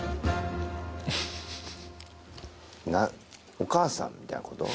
お母さんみたいなこと？